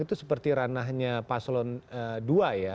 itu seperti ranahnya paslon dua ya